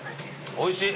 おいしい！